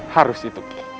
harus itu ki